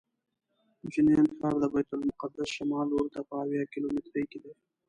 جنین ښار د بیت المقدس شمال لوري ته په اویا کیلومترۍ کې دی.